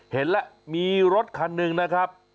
เห็นแล้วมีรถคันหนึ่งนะครับ